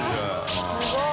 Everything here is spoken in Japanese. すごい。